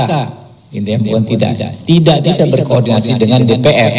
tidak bisa berkoordinasi dengan dpr